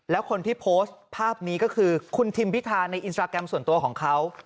แล้วคนที่โพสต์ภาพนี้ก็คือคุณทิมพิธาในอินสตราแกรมส่วนตัวของเขา